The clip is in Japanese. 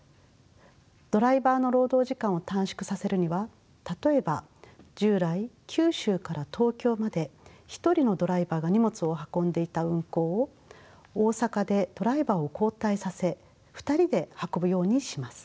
ドライバーの労働時間を短縮させるには例えば従来九州から東京まで１人のドライバーが荷物を運んでいた運行を大阪でドライバーを交代させ２人で運ぶようにします。